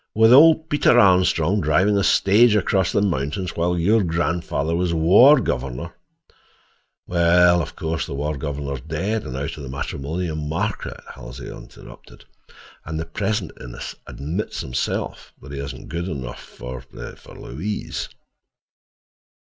"With old Peter Armstrong driving a stage across the mountains while your grandfather was war governor—" "Well, of course, the war governor's dead, and out of the matrimonial market," Halsey interrupted. "And the present Innes admits himself he isn't good enough for—for Louise."